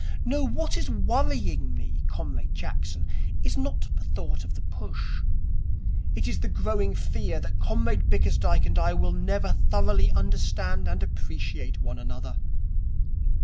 No, what is worrying me, Comrade Jackson, is not the thought of the push. It is the growing fear that Comrade Bickersdyke and I will never thoroughly understand and appreciate one another.